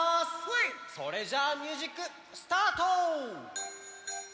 それじゃあミュージックスタート！